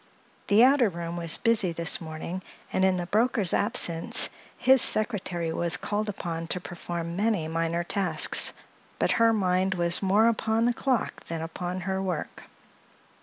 The outer room was busy this morning, and in the broker's absence his secretary was called upon to perform many minor tasks; but her mind was more upon the clock than upon her work.